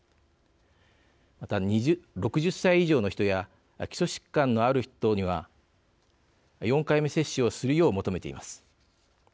また、６０歳以上の人や基礎疾患のある人には４回目接種をするよう求めています。